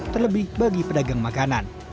terlebih bagi pedagang makanan